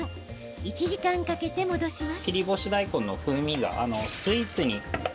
１時間かけて戻します。